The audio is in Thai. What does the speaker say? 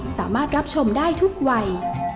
สามารถรับชมได้ทุกวัย